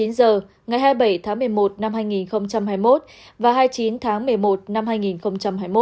ngày hai mươi bảy tháng một mươi một năm hai nghìn hai mươi một và hai mươi chín tháng một mươi một năm hai nghìn hai mươi một